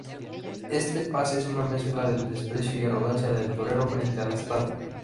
Este pase es una mezcla de desprecio y arrogancia del torero frente al astado.